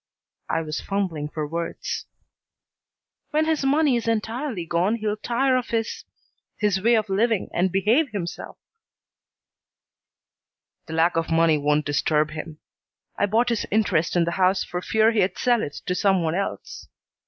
I was fumbling for words. "When his money is entirely gone he'll tire of his his way of living and behave himself." "The lack of money doesn't disturb him. I bought his interest in the house for fear he'd sell it to some one else.